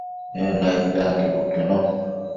En naicnid anquebudquionon